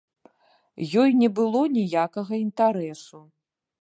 Ёй не было ніякага інтарэсу.